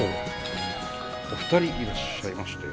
お二人いらっしゃいましたよ。